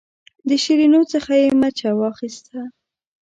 د شیرینو څخه یې مچه واخیسته.